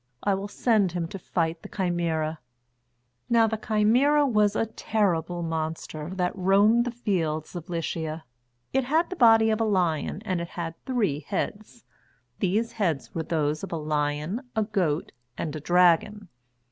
I will send him to fight the Chimæra." Now the Chimæra was a terrible monster that roamed the fields of Lycia. It had the body of a lion and it had three heads. These heads were those of a lion, a goat, and a dragon.